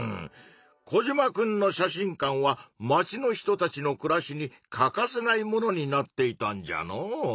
コジマくんの写真館は町の人たちの暮らしに欠かせないものになっていたんじゃのう。